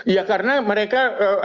ya karena mereka